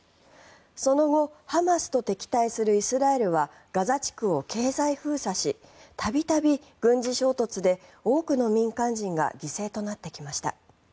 その後、ハマスと敵対するイスラエルはガザ地区を経済封鎖し度々、軍事衝突で多くの民間人が犠牲となってきました。